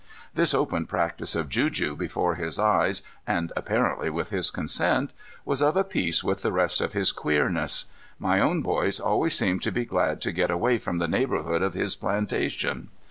This open practice of juju before his eyes and apparently with his consent was of a piece with the rest of his queerness. My own boys always seemed to be glad to get away from the neighborhood of his plantation.